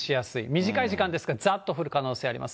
短い時間ですが、ざっと降る可能性あります。